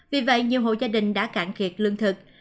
vì vậy nhiều hộ gia đình đã cạn kiệt lương thực